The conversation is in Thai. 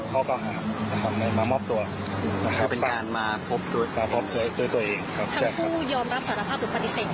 คือเป็นการมาพบตัวเองครับใช่ไหมครับทั้งคู่ยอมรับสารภาพหรือปฏิเสธ